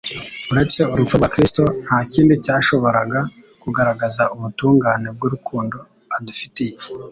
Uretse urupfu rwa Kristo nta kindi cyashoboraga kugaragaza ubutungane bw'urukundo adufitiye.